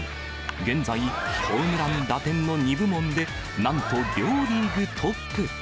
現在、ホームラン、打点の２部門で、なんと両リーグトップ。